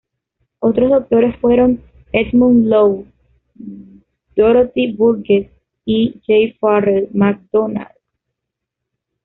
Otros actores fueron Edmund Lowe, Dorothy Burgess y J. Farrell MacDonald.